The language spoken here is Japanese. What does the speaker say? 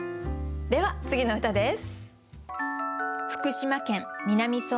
では次の歌です。